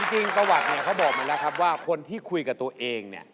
จริงประวัติเนี่ยเขาบอกมาแล้วครับว่าคนที่คุยกับตัวเองเนี่ย